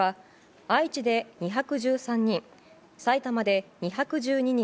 愛知で２１３人、埼玉で２１２人